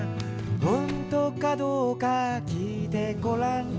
「ほんとかどうかきいてごらん」